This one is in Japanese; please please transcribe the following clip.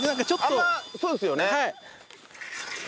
あんまそうですよね。